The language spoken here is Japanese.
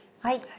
はい。